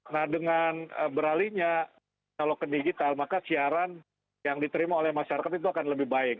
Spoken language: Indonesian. nah dengan beralihnya analog ke digital maka siaran yang diterima oleh masyarakat itu akan lebih baik